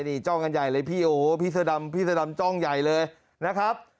นี่จ้องกันใหญ่เลยพี่โอ้โหพี่สดามจ้องใหญ่เลยนะครับ